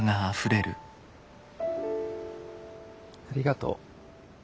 ありがとう。